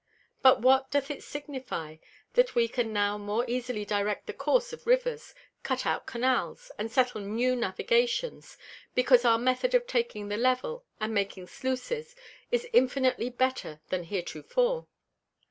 But what doth it signifie, that we can now more easily direct the Course of Rivers, cut out Canals, and settle new Navigations; because our Method of taking the Level and making Sluces is infinitely better than heretofore?